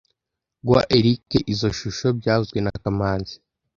Guha Eric izoi shusho byavuzwe na kamanzi